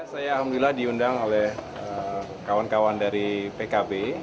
saya alhamdulillah diundang oleh kawan kawan dari pkb